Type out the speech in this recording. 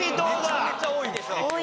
めちゃめちゃ多いでしょ。